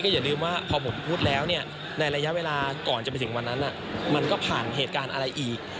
อย่าลืมว่าพอผมพูดแล้วในระยะเวลาก่อนจะไปถึงวันนั้นมันก็ผ่านเหตุการณ์อะไรอีก